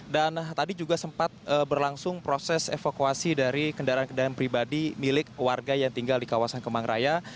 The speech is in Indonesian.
dan tadi juga sempat berlangsung proses evakuasi dari kendaraan kendaraan pribadi milik warga yang tinggal di kawasan kemang raya